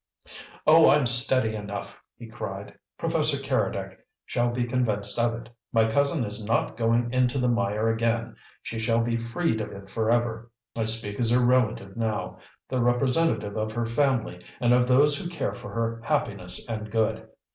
"Oh, I'm steady enough," he cried. "Professor Keredec shall be convinced of it! My cousin is not going into the mire again; she shall be freed of it for ever: I speak as her relative now, the representative of her family and of those who care for her happiness and good.